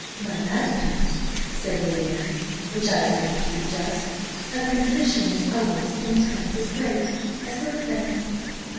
"By that account," said Lady Anne, "which I believe to be just, her contrition is always ten times as great as her offence."